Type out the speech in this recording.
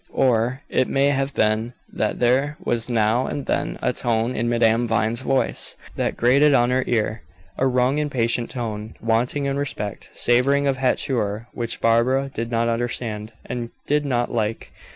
Or, it may have been that there was now and then a tone in Madame Vine's voice that grated on her ear; a wrung, impatient tone, wanting in respect, savoring of hauteur, which Barbara did not understand, and did not like.